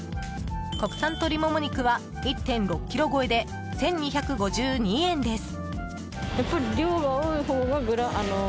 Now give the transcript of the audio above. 国産鶏もも肉は１．６ｋｇ超えで１２５２円です。